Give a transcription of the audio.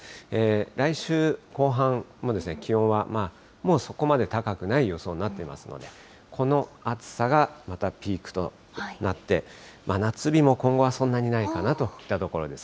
来週後半も気温はもうそこまで高くない予想になっていますので、この暑さがまたピークとなって、夏日も今後はそんなにないかなといったところです。